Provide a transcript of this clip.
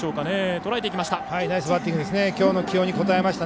とらえていきました。